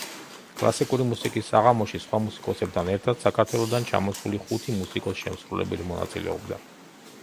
კლასიკური მუსიკის საღამოში, სხვა მუსიკოსებთან ერთად, საქართველოდან ჩამოსული ხუთი მუსიკოს-შემსრულებელი მონაწილეობდა.